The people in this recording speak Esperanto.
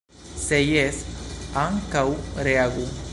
Se jes, ankaŭ reagu.